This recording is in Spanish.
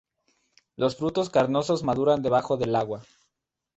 Los frutos carnosos maduran debajo del agua.